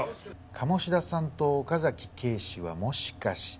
鴨志田さんと岡崎警視はもしかして。